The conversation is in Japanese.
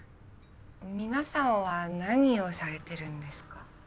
皆さんは何をされてるんですか？